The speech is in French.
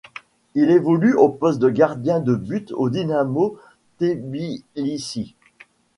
Il évolue au poste de gardien de but au Dinamo Tbilissi.